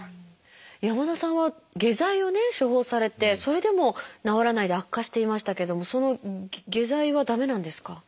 山田さんは下剤を処方されてそれでも治らないで悪化していましたけれどもその下剤は駄目なんですか？